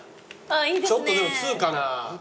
ちょっとでも通かな？